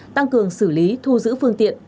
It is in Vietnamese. tăng cường xử lý thu giữ phương tiện